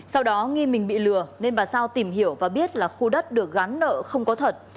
sau đó nghi mình bị lừa nên bà sao tìm hiểu và biết là khu đất được gắn nợ không có thật